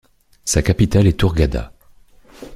Sa capitale est Hurghada.